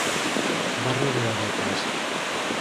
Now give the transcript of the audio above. Barrio de Vallecas.